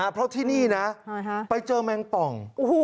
เพราะที่นี่นะไปเจอแมงป่อง